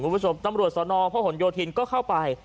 มุมประชบตำรวจสนพหนโยธินก็เข้าไป